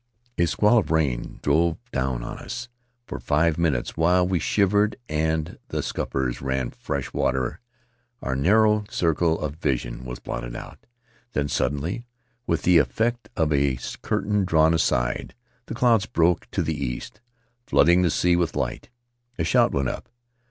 A squall of rain drove down on us; for five minutes, while we shivered and the scuppers ran fresh water, our narrow circle of vision was blotted out. Then sud denly, with the effect of a curtain drawn aside, the clouds broke to the east, flooding the sea with light. A shout went up.